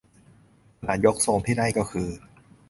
ขนาดยกทรงที่ได้ก็คือ